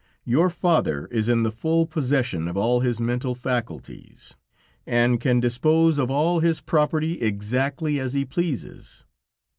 Your father is in the full possession of all his mental faculties, and can dispose of all his property exactly as he pleases.